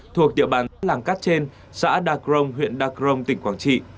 thuộc địa bản làng cát trên xã đà crông huyện đà crông tỉnh quảng trị